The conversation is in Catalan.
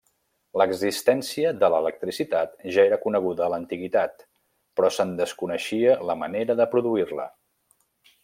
L'existència de l'electricitat ja era coneguda a l'antiguitat, però se'n desconeixia la manera de produir-la.